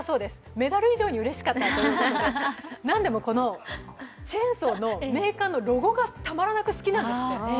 メダル以上にうれしかったということで、なんでもこのチェーンソーのメーカーのロゴがたまらなく好きなんですって。